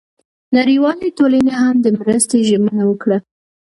نړیوالې ټولنې هم د مرستې ژمنه وکړه.